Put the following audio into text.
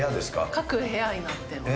各部屋になっています。